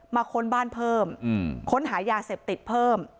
ค้นบ้านเพิ่มค้นหายาเสพติดเพิ่ม